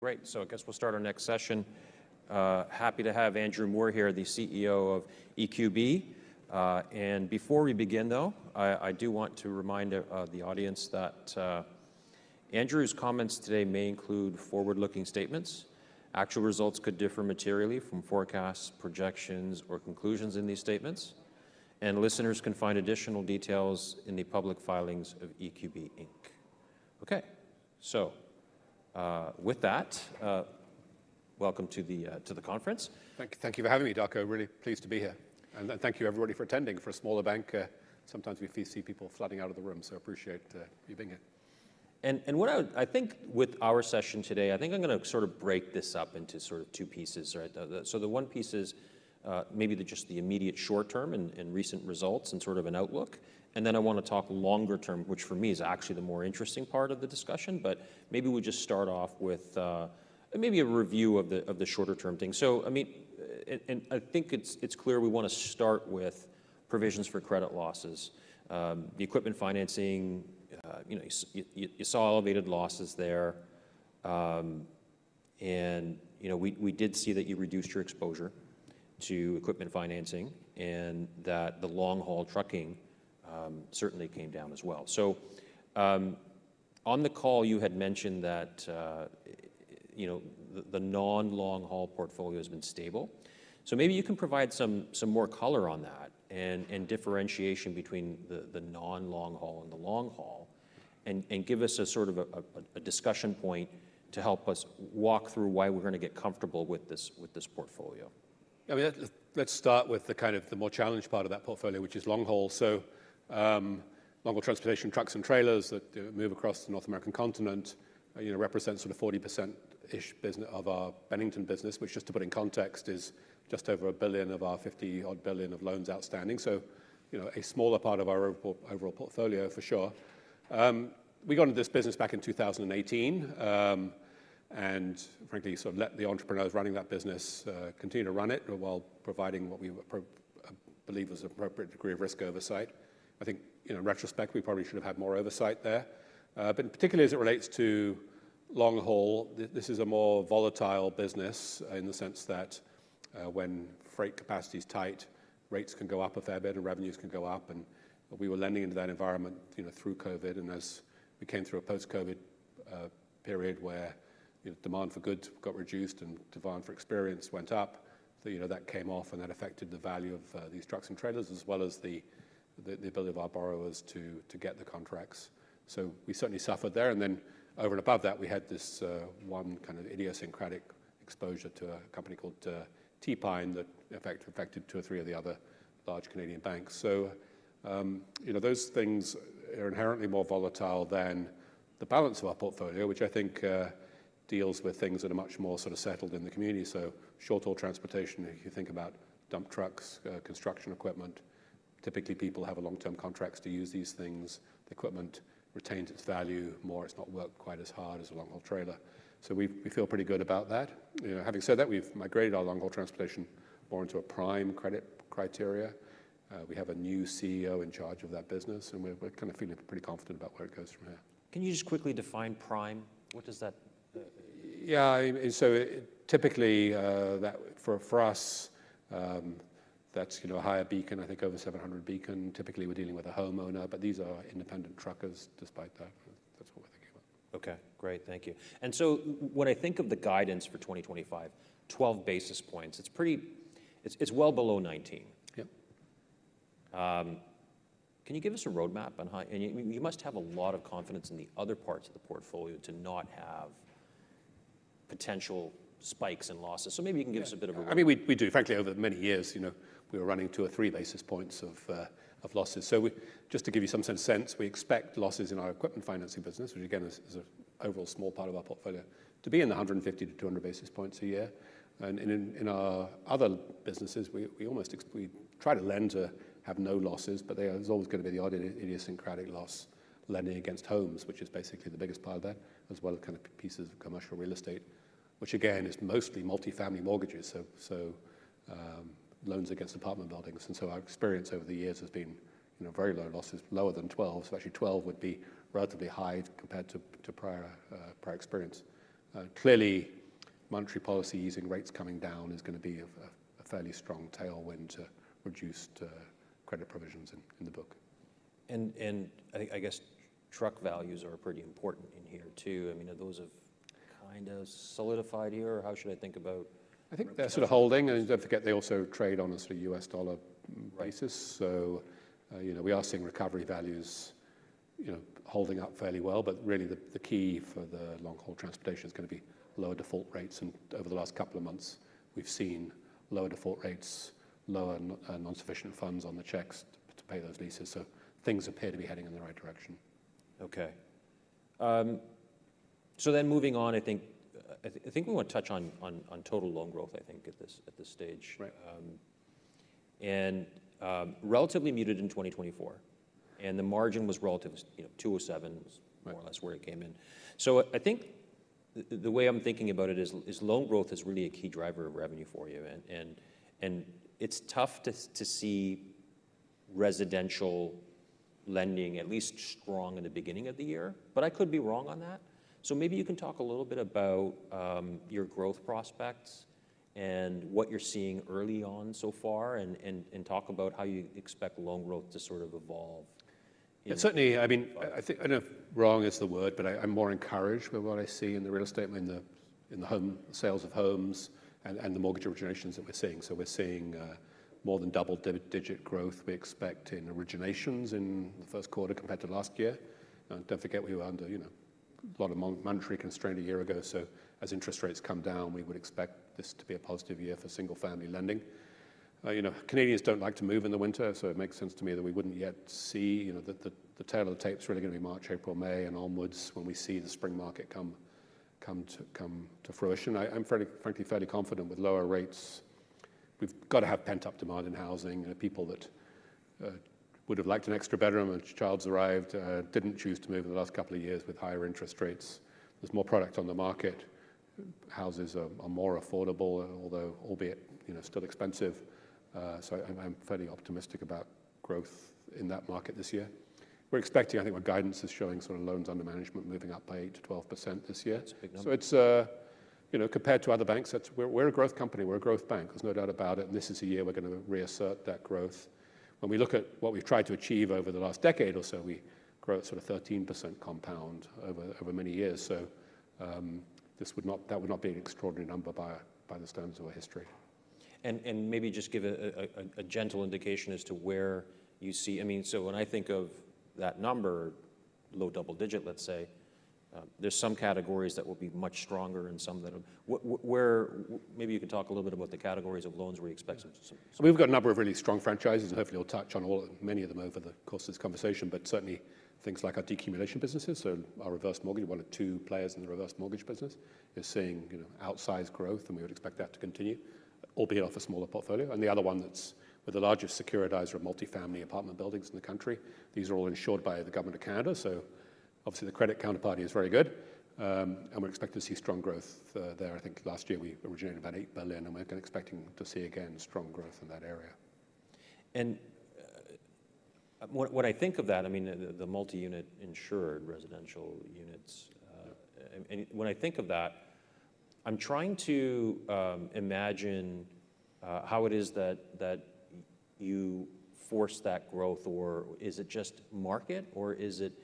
Great, so I guess we'll start our next session. Happy to have Andrew Moor here, the CEO of EQB, and before we begin, though, I do want to remind the audience that Andrew's comments today may include forward-looking statements. Actual results could differ materially from forecasts, projections, or conclusions in these statements, and listeners can find additional details in the public filings of EQB Inc. Okay, so with that, welcome to the conference. Thank you for having me, Darko. I'm really pleased to be here. Thank you, everybody, for attending. For a smaller bank, sometimes we see people flooding out of the room, so I appreciate you being here. And what I think with our session today, I think I'm going to sort of break this up into sort of two pieces. So the one piece is maybe just the immediate short-term and recent results and sort of an outlook. And then I want to talk longer-term, which for me is actually the more interesting part of the discussion. But maybe we just start off with maybe a review of the shorter-term thing. So, I mean, and I think it's clear we want to start with provisions for credit losses. The equipment financing, you saw elevated losses there. And we did see that you reduced your exposure to equipment financing and that the long-haul trucking certainly came down as well. So on the call, you had mentioned that the non-long-haul portfolio has been stable. So maybe you can provide some more color on that and differentiation between the non-long-haul and the long-haul and give us a sort of a discussion point to help us walk through why we're going to get comfortable with this portfolio. I mean, let's start with the kind of the more challenged part of that portfolio, which is long-haul. So long-haul transportation, trucks and trailers that move across the North American continent represent sort of 40%-ish of our Bennington business, which just to put in context is just over 1 billion of our 50-odd billion of loans outstanding. So a smaller part of our overall portfolio, for sure. We got into this business back in 2018 and, frankly, sort of let the entrepreneurs running that business continue to run it while providing what we believe was an appropriate degree of risk oversight. I think in retrospect, we probably should have had more oversight there. But particularly as it relates to long-haul, this is a more volatile business in the sense that when freight capacity is tight, rates can go up a fair bit and revenues can go up. We were lending into that environment through COVID. As we came through a post-COVID period where demand for goods got reduced and demand for experience went up, that came off and that affected the value of these trucks and trailers as well as the ability of our borrowers to get the contracts. We certainly suffered there. Then, over and above that, we had this one kind of idiosyncratic exposure to a company called T-Pine that affected two or three of the other large Canadian banks. Those things are inherently more volatile than the balance of our portfolio, which I think deals with things that are much more sort of settled in the community. Short-haul transportation, if you think about dump trucks, construction equipment, typically people have long-term contracts to use these things. The equipment retains its value more. It's not worked quite as hard as a long-haul trailer. So we feel pretty good about that. Having said that, we've migrated our long-haul transportation more into a prime credit criteria. We have a new CEO in charge of that business, and we're kind of feeling pretty confident about where it goes from here. Can you just quickly define prime? What does that? Yeah, so typically for us, that's a higher Beacon, I think over 700 Beacon. Typically, we're dealing with a homeowner, but these are independent truckers despite that. That's what we're thinking about. Okay. Great. Thank you. And so when I think of the guidance for 2025, 12 basis points, it's well below 19. Yeah. Can you give us a roadmap on how you must have a lot of confidence in the other parts of the portfolio to not have potential spikes in losses? So maybe you can give us a bit of a roadmap. I mean, we do. Frankly, over many years, we were running two or three basis points of losses. So just to give you some sense, we expect losses in our equipment financing business, which again is an overall small part of our portfolio, to be in the 150 to 200 basis points a year. And in our other businesses, we try to lend to have no losses, but there's always going to be the odd idiosyncratic loss lending against homes, which is basically the biggest part of that, as well as kind of pieces of commercial real estate, which again is mostly multifamily mortgages, so loans against apartment buildings. And so our experience over the years has been very low losses, lower than 12. So actually 12 would be relatively high compared to prior experience. Clearly, monetary policy using rates coming down is going to be a fairly strong tailwind to reduced credit provisions in the book. I guess truck values are pretty important in here too. I mean, are those kind of solidified here? Or how should I think about? I think they're sort of holding. And don't forget, they also trade on a sort of U.S. dollar basis. So we are seeing recovery values holding up fairly well. But really, the key for the long-haul transportation is going to be lower default rates. And over the last couple of months, we've seen lower default rates, lower non-sufficient funds on the checks to pay those leases. So things appear to be heading in the right direction. Okay. So then moving on, I think we want to touch on total loan growth, I think, at this stage. And relatively muted in 2024. And the margin was relatively 207, more or less where it came in. So I think the way I'm thinking about it is loan growth is really a key driver of revenue for you. And it's tough to see residential lending at least strong in the beginning of the year. But I could be wrong on that. So maybe you can talk a little bit about your growth prospects and what you're seeing early on so far and talk about how you expect loan growth to sort of evolve. Certainly, I mean, I don't know if wrong is the word, but I'm more encouraged by what I see in the real estate, in the home sales of homes and the mortgage originations that we're seeing. So we're seeing more than double-digit growth we expect in originations in the first quarter compared to last year. Don't forget, we were under a lot of monetary constraint a year ago. So as interest rates come down, we would expect this to be a positive year for single-family lending. Canadians don't like to move in the winter, so it makes sense to me that we wouldn't yet see. The tail of the tape is really going to be March, April, May, and onwards when we see the spring market come to fruition. I'm frankly fairly confident with lower rates. We've got to have pent-up demand in housing. People that would have liked an extra bedroom when a child's arrived didn't choose to move in the last couple of years with higher interest rates. There's more product on the market. Houses are more affordable, although albeit still expensive. So I'm fairly optimistic about growth in that market this year. We're expecting, I think what guidance is showing, sort of loans under management moving up by 8%-12% this year. So compared to other banks, we're a growth company. We're a growth bank. There's no doubt about it. And this is a year we're going to reassert that growth. When we look at what we've tried to achieve over the last decade or so, we grow at sort of 13% compound over many years. So that would not be an extraordinary number by the standards of our history. And maybe just give a gentle indication as to where you see. I mean, so when I think of that number, low double-digit, let's say, there's some categories that will be much stronger and some that maybe you can talk a little bit about the categories of loans where you expect some. We've got a number of really strong franchises. Hopefully, we'll touch on many of them over the course of this conversation. But certainly, things like our decumulation businesses, so our reverse mortgage, one of two players in the reverse mortgage business is seeing outsized growth, and we would expect that to continue, albeit off a smaller portfolio. And the other one that's with the largest securitizer of multifamily apartment buildings in the country. These are all insured by the government of Canada. So obviously, the credit counterparty is very good. And we're expecting to see strong growth there. I think last year we originated about 8 billion, and we're expecting to see again strong growth in that area. When I think of that, I mean, the multi-unit insured residential units, when I think of that, I'm trying to imagine how it is that you force that growth, or is it just market, or is it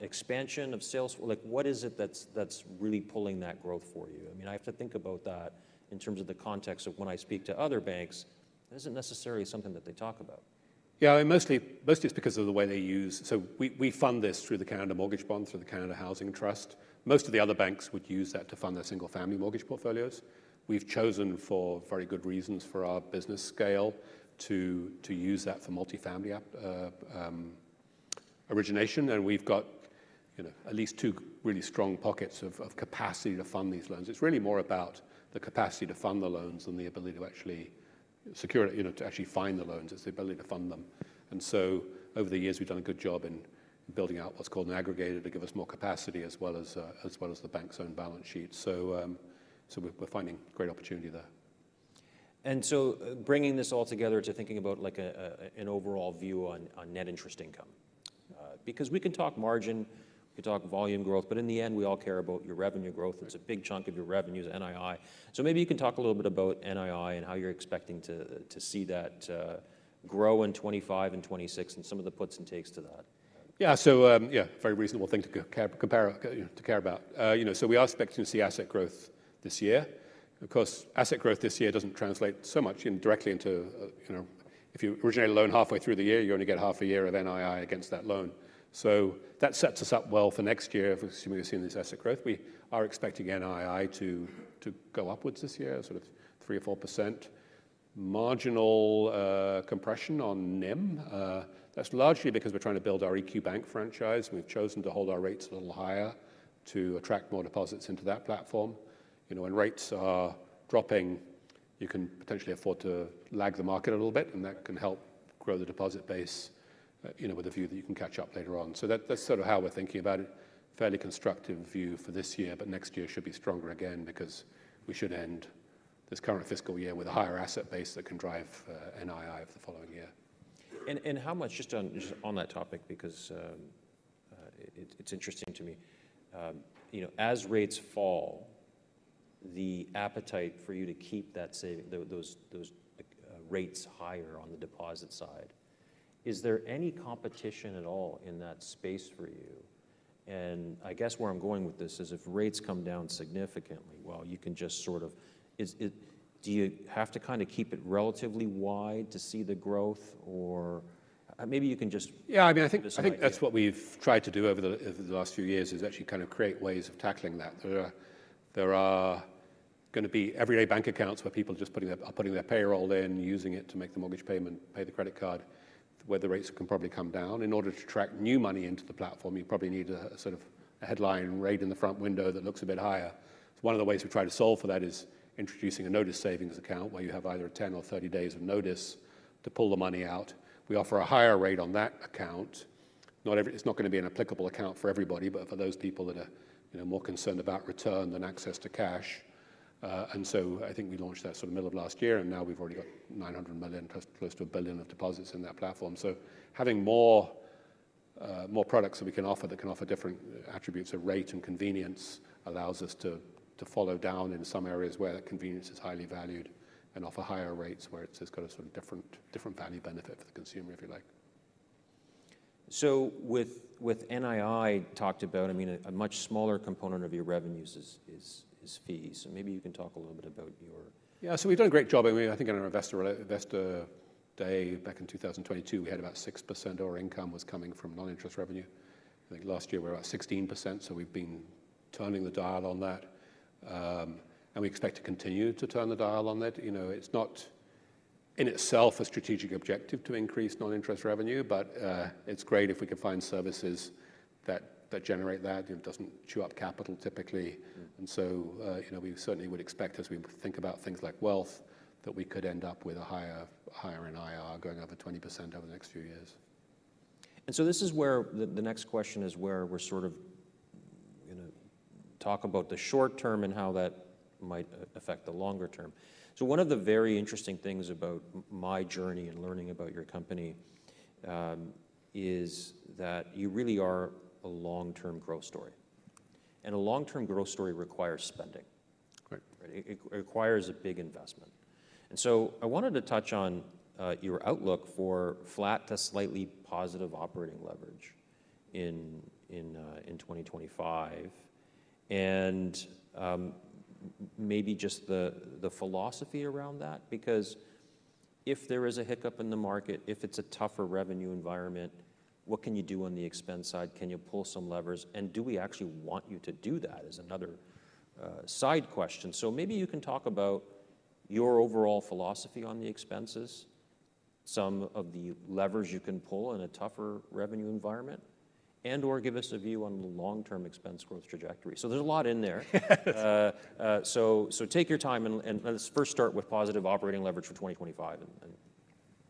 expansion of sales? What is it that's really pulling that growth for you? I mean, I have to think about that in terms of the context of when I speak to other banks. That isn't necessarily something that they talk about. Yeah, mostly it's because of the way they use. So we fund this through the Canada Mortgage Bond, through the Canada Housing Trust. Most of the other banks would use that to fund their single-family mortgage portfolios. We've chosen for very good reasons for our business scale to use that for multifamily origination. And we've got at least two really strong pockets of capacity to fund these loans. It's really more about the capacity to fund the loans than the ability to actually secure, to actually find the loans. It's the ability to fund them. And so over the years, we've done a good job in building out what's called an aggregator to give us more capacity as well as the bank's own balance sheet. So we're finding great opportunity there. And so bringing this all together to thinking about an overall view on Net Interest Income. Because we can talk margin, we can talk volume growth, but in the end, we all care about your revenue growth. It's a big chunk of your revenue is NII. So maybe you can talk a little bit about NII and how you're expecting to see that grow in 2025 and 2026 and some of the puts and takes to that. Yeah, so yeah, very reasonable thing to care about. So we are expecting to see asset growth this year. Of course, asset growth this year doesn't translate so much directly into if you originate a loan halfway through the year, you only get half a year of NII against that loan. So that sets us up well for next year if we're assuming we're seeing this asset growth. We are expecting NII to go upwards this year, sort of 3% or 4%. Marginal compression on NIM. That's largely because we're trying to build our EQ Bank franchise. We've chosen to hold our rates a little higher to attract more deposits into that platform. When rates are dropping, you can potentially afford to lag the market a little bit, and that can help grow the deposit base with a view that you can catch up later on. So that's sort of how we're thinking about it. Fairly constructive view for this year, but next year should be stronger again because we should end this current fiscal year with a higher asset base that can drive NII for the following year. And how much, just on that topic, because it's interesting to me, as rates fall, the appetite for you to keep those rates higher on the deposit side, is there any competition at all in that space for you? And I guess where I'm going with this is if rates come down significantly, well, you can just sort of do you have to kind of keep it relatively wide to see the growth? Or maybe you can just. Yeah, I mean, I think that's what we've tried to do over the last few years is actually kind of create ways of tackling that. There are going to be everyday bank accounts where people are just putting their payroll in, using it to make the mortgage payment, pay the credit card, where the rates can probably come down. In order to attract new money into the platform, you probably need a sort of a headline rate in the front window that looks a bit higher. One of the ways we've tried to solve for that is introducing a Notice Savings Account where you have either 10 or 30 days of notice to pull the money out. We offer a higher rate on that account. It's not going to be an applicable account for everybody, but for those people that are more concerned about return than access to cash. I think we launched that sort of middle of last year, and now we've already got 900 million plus close to a billion of deposits in that platform. Having more products that we can offer that can offer different attributes of rate and convenience allows us to follow down in some areas where that convenience is highly valued and offer higher rates where it's got a sort of different value benefit for the consumer, if you like. So with NII talked about, I mean, a much smaller component of your revenues is fees. So maybe you can talk a little bit about your. Yeah, so we've done a great job. I mean, I think on our investor day back in 2022, we had about 6% of our income was coming from non-interest revenue. I think last year we were at 16%. So we've been turning the dial on that. And we expect to continue to turn the dial on that. It's not in itself a strategic objective to increase non-interest revenue, but it's great if we can find services that generate that. It doesn't chew up capital typically. And so we certainly would expect, as we think about things like wealth, that we could end up with a higher NII going up to 20% over the next few years. And so this is where the next question is, where we're sort of going to talk about the short term and how that might affect the longer term. So one of the very interesting things about my journey and learning about your company is that you really are a long-term growth story. And a long-term growth story requires spending. It requires a big investment. And so I wanted to touch on your outlook for flat to slightly positive operating leverage in 2025. And maybe just the philosophy around that, because if there is a hiccup in the market, if it's a tougher revenue environment, what can you do on the expense side? Can you pull some levers? And do we actually want you to do that? That is another side question. So maybe you can talk about your overall philosophy on the expenses, some of the levers you can pull in a tougher revenue environment, and/or give us a view on the long-term expense growth trajectory. So there's a lot in there. So take your time. And let's first start with positive operating leverage for 2025.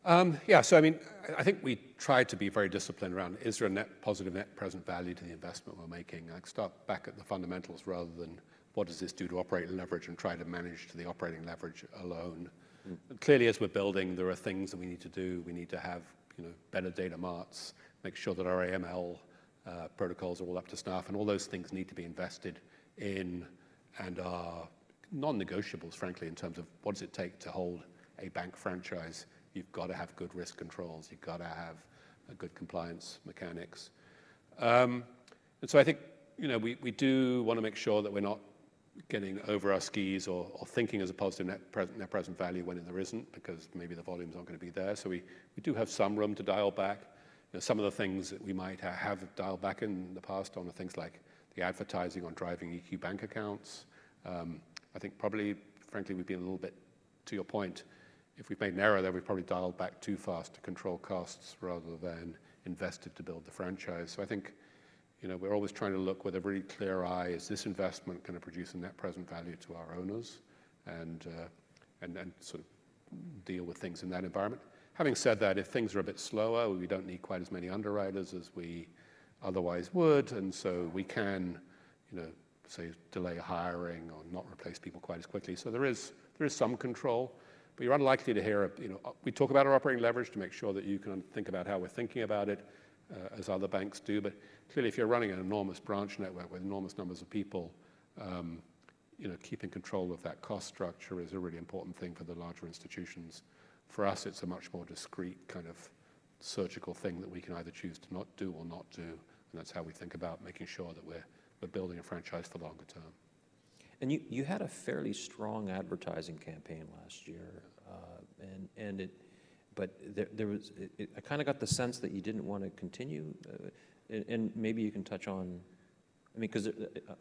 Yeah, so I mean, I think we try to be very disciplined around is there a positive net present value to the investment we're making. I'd start back at the fundamentals rather than what does this do to operating leverage and try to manage to the operating leverage alone. Clearly, as we're building, there are things that we need to do. We need to have better data marts, make sure that our AML protocols are all up to snuff. And all those things need to be invested in and are non-negotiables, frankly, in terms of what does it take to hold a bank franchise. You've got to have good risk controls. You've got to have good compliance mechanics. And so I think we do want to make sure that we're not getting over our skis or thinking as a positive net present value when there isn't, because maybe the volumes aren't going to be there. So we do have some room to dial back. Some of the things that we might have dialed back in the past on are things like the advertising on driving EQ Bank accounts. I think probably, frankly, we'd be a little bit, to your point, if we've made an error there, we've probably dialed back too fast to control costs rather than invested to build the franchise. So I think we're always trying to look with a really clear eye. Is this investment going to produce a net present value to our owners and sort of deal with things in that environment? Having said that, if things are a bit slower, we don't need quite as many underwriters as we otherwise would, and so we can, say, delay hiring or not replace people quite as quickly, so there is some control, but you're unlikely to hear we talk about our operating leverage to make sure that you can think about how we're thinking about it as other banks do, but clearly, if you're running an enormous branch network with enormous numbers of people, keeping control of that cost structure is a really important thing for the larger institutions. For us, it's a much more discrete kind of surgical thing that we can either choose to not do or not do, and that's how we think about making sure that we're building a franchise for longer term. You had a fairly strong advertising campaign last year. I kind of got the sense that you didn't want to continue. Maybe you can touch on, I mean, because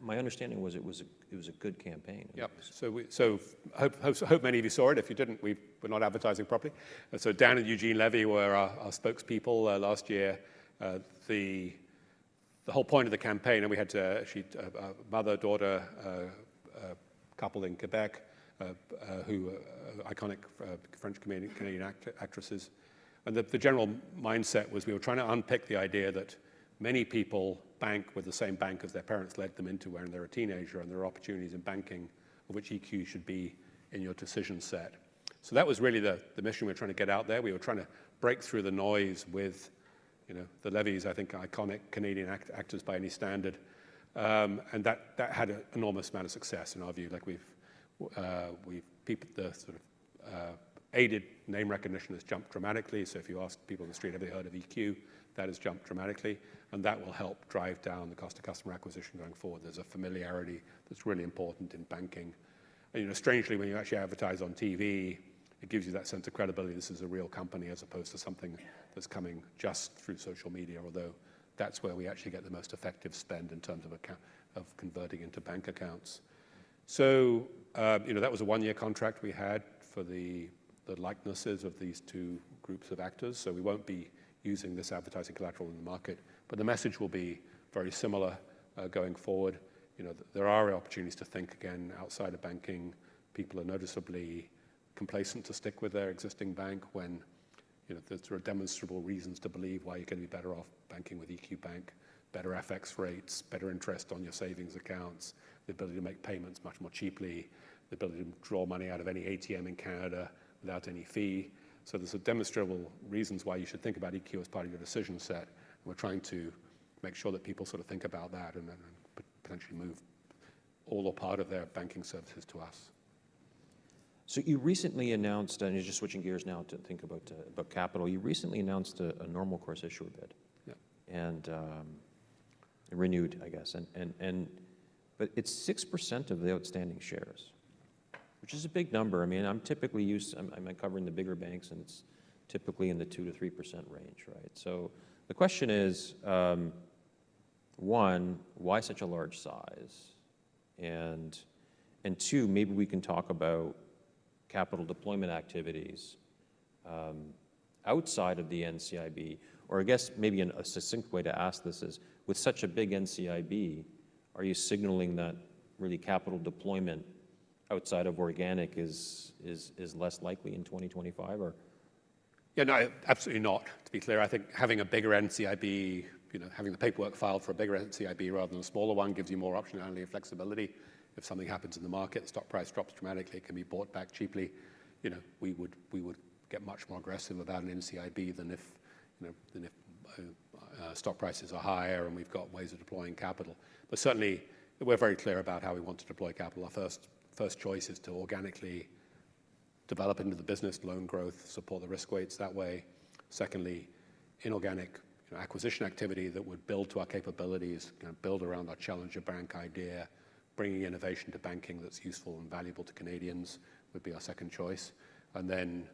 my understanding was it was a good campaign. Yeah, so I hope many of you saw it. If you didn't, we were not advertising properly. So Dan and Eugene Levy were our spokespeople last year. The whole point of the campaign, and we had to actually a mother, daughter, a couple in Quebec, who are iconic French Canadian actresses. And the general mindset was we were trying to unpick the idea that many people bank with the same bank as their parents led them into when they were a teenager and there are opportunities in banking of which EQ should be in your decision set. So that was really the mission we were trying to get out there. We were trying to break through the noise with the Levys, I think, iconic Canadian actors by any standard. And that had an enormous amount of success in our view. The sort of aided name recognition has jumped dramatically. If you ask people on the street, have they heard of EQ? That has jumped dramatically. And that will help drive down the cost of customer acquisition going forward. There's a familiarity that's really important in banking. And strangely, when you actually advertise on TV, it gives you that sense of credibility. This is a real company as opposed to something that's coming just through social media, although that's where we actually get the most effective spend in terms of converting into bank accounts. So that was a one-year contract we had for the likenesses of these two groups of actors. So we won't be using this advertising collateral in the market, but the message will be very similar going forward. There are opportunities to think again outside of banking. People are noticeably complacent to stick with their existing bank when there's sort of demonstrable reasons to believe why you're going to be better off banking with EQ Bank, better FX rates, better interest on your savings accounts, the ability to make payments much more cheaply, the ability to draw money out of any ATM in Canada without any fee. So there's demonstrable reasons why you should think about EQ as part of your decision set. And we're trying to make sure that people sort of think about that and potentially move all or part of their banking services to us. So you recently announced, and you're just switching gears now to think about capital, you recently announced a Normal Course Issuer Bid. And renewed, I guess. But it's 6% of the outstanding shares, which is a big number. I mean, I'm typically used to covering the bigger banks, and it's typically in the 2%-3% range, right? So the question is, one, why such a large size? And two, maybe we can talk about capital deployment activities outside of the NCIB. Or I guess maybe a succinct way to ask this is, with such a big NCIB, are you signaling that really capital deployment outside of organic is less likely in 2025? Yeah, no, absolutely not, to be clear. I think having a bigger NCIB, having the paperwork filed for a bigger NCIB rather than a smaller one gives you more optionality and flexibility. If something happens in the market, the stock price drops dramatically, it can be bought back cheaply. We would get much more aggressive about an NCIB than if stock prices are higher and we've got ways of deploying capital. But certainly, we're very clear about how we want to deploy capital. Our first choice is to organically develop into the business, loan growth, support the risk weights that way. Secondly, inorganic acquisition activity that would build to our capabilities, build around our challenger bank idea, bringing innovation to banking that's useful and valuable to Canadians would be our second choice. And then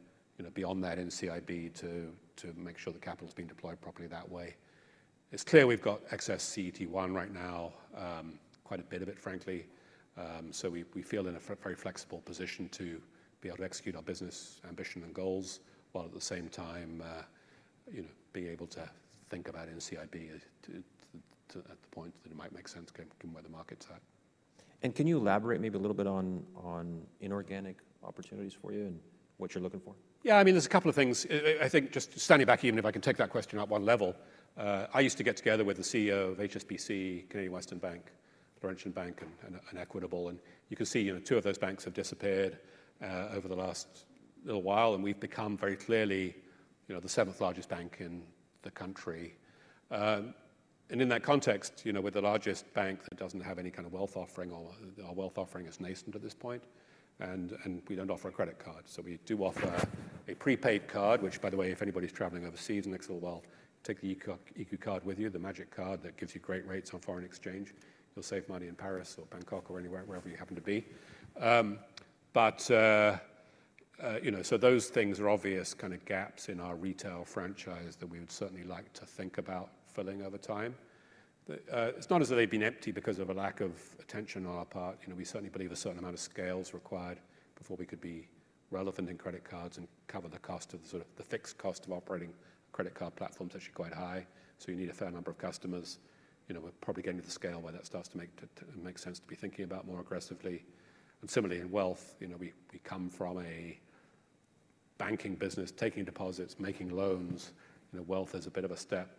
beyond that, NCIB to make sure the capital's being deployed properly that way. It's clear we've got excess CET1 right now, quite a bit of it, frankly. So we feel in a very flexible position to be able to execute our business ambition and goals while at the same time being able to think about NCIB at the point that it might make sense given where the market's at. Can you elaborate maybe a little bit on inorganic opportunities for you and what you're looking for? Yeah, I mean, there's a couple of things. I think just standing back, even if I can take that question up one level, I used to get together with the CEO of HSBC, Canadian Western Bank, Laurentian Bank, and Equitable. And you can see two of those banks have disappeared over the last little while, and we've become very clearly the seventh largest bank in the country. And in that context, we're the largest bank that doesn't have any kind of wealth offering, or our wealth offering is nascent at this point. And we don't offer a credit card. So we do offer a prepaid card, which, by the way, if anybody's traveling overseas and thinks, well, take the EQ card with you, the magic card that gives you great rates on foreign exchange, you'll save money in Paris or Bangkok or anywhere, wherever you happen to be. But so those things are obvious kind of gaps in our retail franchise that we would certainly like to think about filling over time. It's not as though they've been empty because of a lack of attention on our part. We certainly believe a certain amount of scale is required before we could be relevant in credit cards and cover the cost of the fixed cost of operating credit card platforms, actually quite high. So you need a fair number of customers. We're probably getting to the scale where that starts to make sense to be thinking about more aggressively. And similarly, in wealth, we come from a banking business, taking deposits, making loans. Wealth is a bit of a step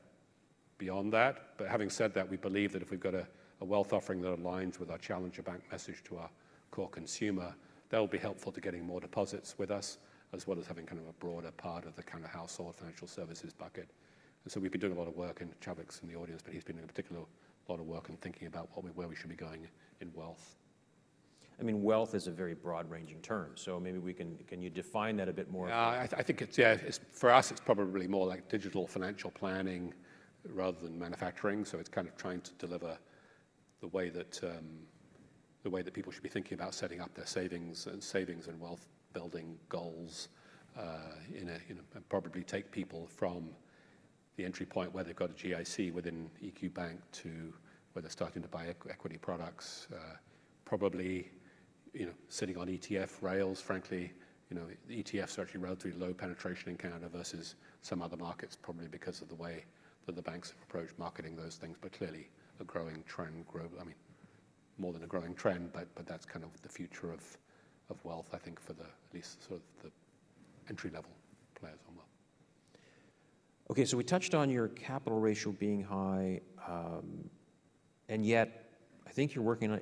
beyond that. But having said that, we believe that if we've got a wealth offering that aligns with our challenger bank message to our core consumer, that will be helpful to getting more deposits with us, as well as having kind of a broader part of the kind of household financial services bucket. And so we've been doing a lot of work, and Chadwick's in the audience, but he's been doing a particular lot of work in thinking about where we should be going in wealth. I mean, wealth is a very broad-ranging term. So maybe can you define that a bit more? Yeah, I think, yeah, for us, it's probably more like digital financial planning rather than manufacturing. So it's kind of trying to deliver the way that people should be thinking about setting up their savings and wealth-building goals and probably take people from the entry point where they've got a GIC within EQ Bank to where they're starting to buy equity products, probably sitting on ETF rails. Frankly, ETFs are actually relatively low penetration in Canada versus some other markets, probably because of the way that the banks have approached marketing those things. But clearly, a growing trend, I mean, more than a growing trend, but that's kind of the future of wealth, I think, for at least sort of the entry-level players on wealth. Okay, so we touched on your capital ratio being high. Yet, I think you're working on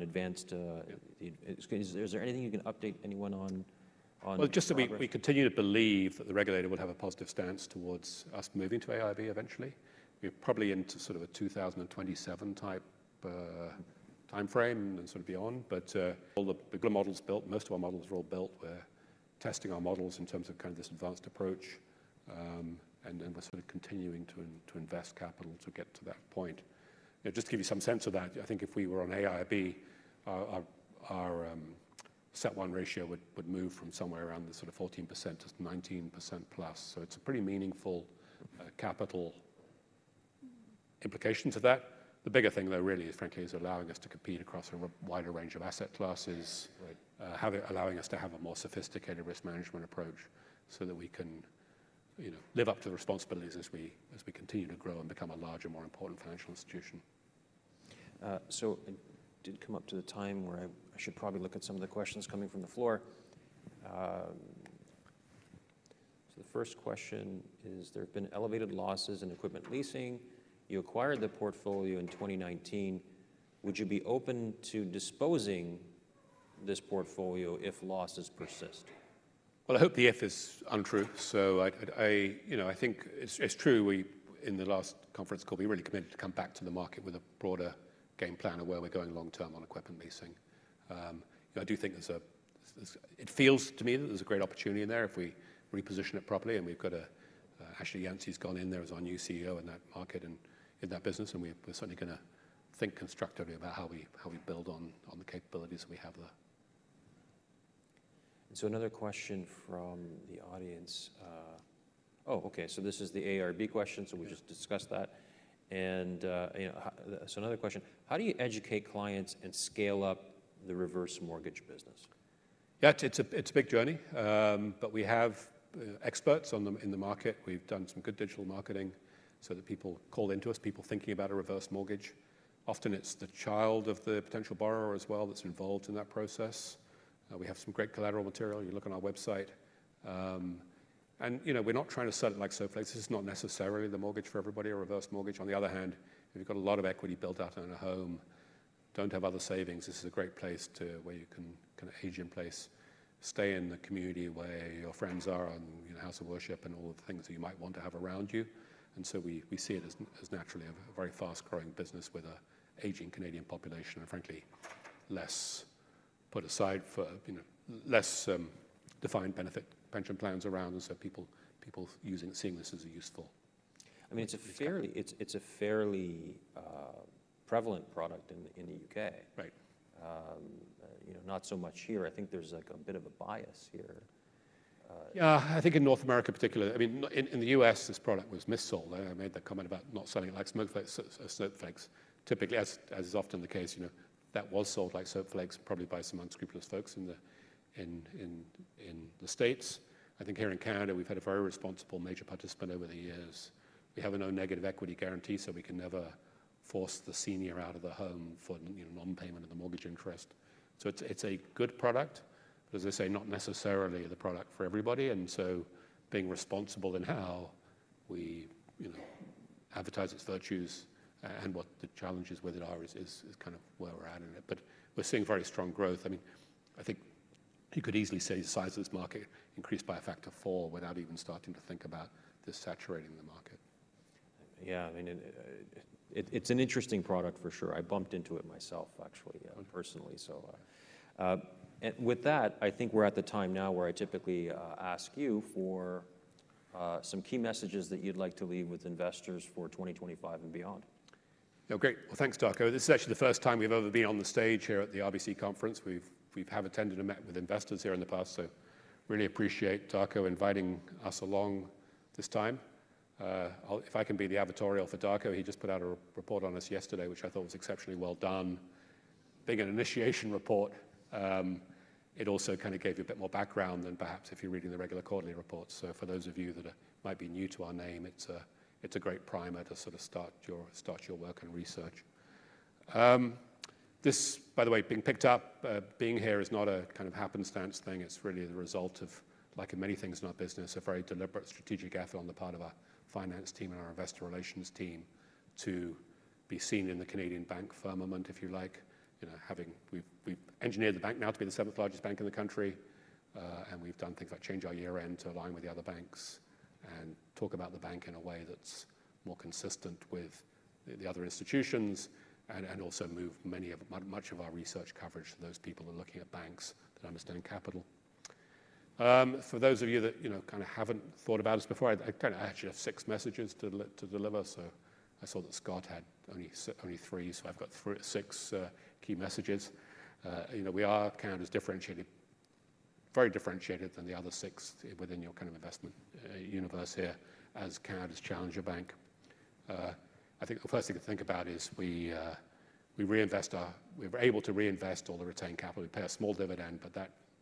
advanced AIRB. Is there anything you can update anyone on? Just that we continue to believe that the regulator would have a positive stance towards us moving to AIRB eventually. We're probably into sort of a 2027 type timeframe and sort of beyond. The models built, most of our models are all built. We're testing our models in terms of kind of this advanced approach. We're sort of continuing to invest capital to get to that point. Just to give you some sense of that, I think if we were on AIRB, our CET1 ratio would move from somewhere around the sort of 14%-19% plus. It's a pretty meaningful capital implication to that. The bigger thing, though, really, frankly, is allowing us to compete across a wider range of asset classes, allowing us to have a more sophisticated risk management approach so that we can live up to the responsibilities as we continue to grow and become a larger, more important financial institution. I did come up to the time where I should probably look at some of the questions coming from the floor. So the first question is, there have been elevated losses in equipment leasing. You acquired the portfolio in 2019. Would you be open to disposing of this portfolio if losses persist? I hope the if is untrue. I think it's true. In the last conference call, we really committed to come back to the market with a broader game plan of where we're going long term on equipment leasing. I do think it feels to me that there's a great opportunity in there if we reposition it properly. We've got Ashley Yancey's gone in there as our new CEO in that market and in that business. We're certainly going to think constructively about how we build on the capabilities that we have there. Another question from the audience. Oh, okay. This is the AIRB question. We just discussed that. Another question: how do you educate clients and scale up the reverse mortgage business? Yeah, it's a big journey. But we have experts in the market. We've done some good digital marketing so that people call into us, people thinking about a reverse mortgage. Often it's the child of the potential borrower as well that's involved in that process. We have some great collateral material. You look on our website. And we're not trying to sell it like snowflakes. This is not necessarily the mortgage for everybody, a reverse mortgage. On the other hand, if you've got a lot of equity built out on a home, don't have other savings, this is a great place where you can kind of age in place, stay in the community where your friends are in the house of worship and all the things that you might want to have around you. And so we see it as naturally a very fast-growing business with an aging Canadian population and frankly less put aside for less defined benefit pension plans around. And so people seeing this as a useful. I mean, it's a fairly prevalent product in the U.K., not so much here. I think there's a bit of a bias here. Yeah, I think in North America particularly, I mean, in the U.S., this product was mis-sold. I made that comment about not selling it like snowflakes. Typically, as is often the case, that was sold like snowflakes probably by some unscrupulous folks in the States. I think here in Canada, we've had a very responsible major participant over the years. We have a no negative equity guarantee, so we can never force the senior out of the home for non-payment of the mortgage interest. So it's a good product, but as I say, not necessarily the product for everybody. And so being responsible in how we advertise its virtues and what the challenges with it are is kind of where we're at in it. But we're seeing very strong growth. I mean, I think you could easily say the size of this market increased by a factor of four without even starting to think about this saturating the market. Yeah, I mean, it's an interesting product for sure. I bumped into it myself, actually, personally, and with that, I think we're at the time now where I typically ask you for some key messages that you'd like to leave with investors for 2025 and beyond. Yeah, great. Well, thanks, Darko. This is actually the first time we've ever been on the stage here at the RBC Conference. We have attended and met with investors here in the past. So really appreciate Darko inviting us along this time. If I can be the avatar for Darko, he just put out a report on us yesterday, which I thought was exceptionally well done. Being an initiation report, it also kind of gave you a bit more background than perhaps if you're reading the regular quarterly reports. So for those of you that might be new to our name, it's a great primer to sort of start your work and research. This, by the way, being picked up, being here is not a kind of happenstance thing. It's really the result of, like in many things in our business, a very deliberate strategic effort on the part of our finance team and our investor relations team to be seen in the Canadian bank firmament, if you like. We've engineered the bank now to be the seventh largest bank in the country, and we've done things like change our year-end to align with the other banks and talk about the bank in a way that's more consistent with the other institutions and also move much of our research coverage to those people who are looking at banks that understand capital. For those of you that kind of haven't thought about this before, I actually have six messages to deliver. So I saw that Scott had only three, so I've got six key messages. We are Canada's differentiated, very differentiated than the other six within your kind of investment universe here as Canada's Challenger Bank. I think the first thing to think about is we're able to reinvest all the retained capital. We pay a small dividend,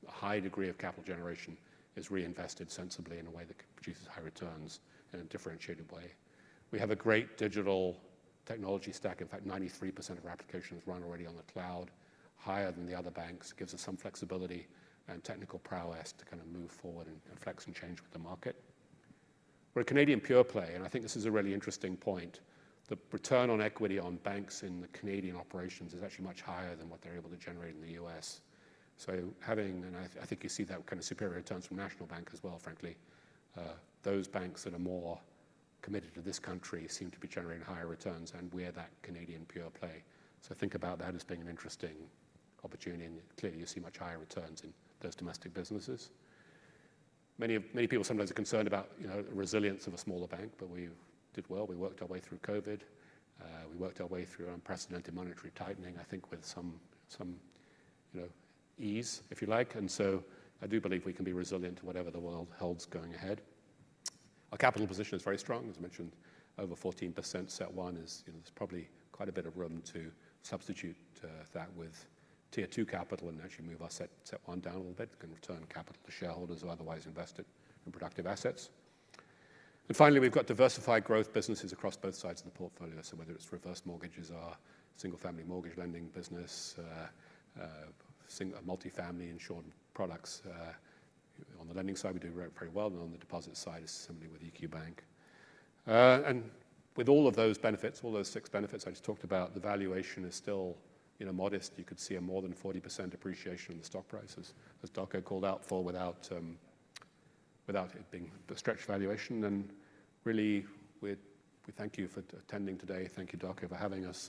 but that high degree of capital generation is reinvested sensibly in a way that produces high returns in a differentiated way. We have a great digital technology stack. In fact, 93% of our applications run already on the cloud, higher than the other banks, gives us some flexibility and technical prowess to kind of move forward and flex and change with the market. We're a Canadian pure play. I think this is a really interesting point. The return on equity on banks in the Canadian operations is actually much higher than what they're able to generate in the U.S. So, having, and I think you see that kind of superior returns from National Bank as well. Frankly, those banks that are more committed to this country seem to be generating higher returns, and we're that Canadian pure play, so think about that as being an interesting opportunity, and clearly you see much higher returns in those domestic businesses. Many people sometimes are concerned about the resilience of a smaller bank, but we did well. We worked our way through COVID. We worked our way through unprecedented monetary tightening, I think, with some ease, if you like, and so I do believe we can be resilient to whatever the world holds going ahead. Our capital position is very strong. As I mentioned, over 14% set one is probably quite a bit of room to substitute that with tier two capital and actually move our set one down a little bit, can return capital to shareholders who otherwise invested in productive assets. And finally, we've got diversified growth businesses across both sides of the portfolio. So whether it's reverse mortgages, our single-family mortgage lending business, multifamily insured products. On the lending side, we do very well. And on the deposit side, it's similarly with EQ Bank. And with all of those benefits, all those six benefits I just talked about, the valuation is still modest. You could see a more than 40% appreciation in the stock price, as Darko called out for, without it being the stretched valuation. And really, we thank you for attending today. Thank you, Darko, for having us.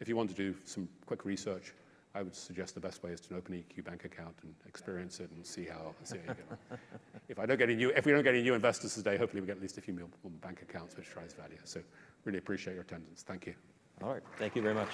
If you want to do some quick research, I would suggest the best way is to open an EQ Bank account and experience it and see how. If we don't get any new investors today, hopefully we get at least a few more bank accounts, which drives value. Really appreciate your attendance. Thank you. All right. Thank you very much.